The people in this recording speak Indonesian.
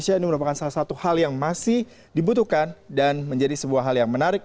ini merupakan salah satu hal yang masih dibutuhkan dan menjadi sebuah hal yang menarik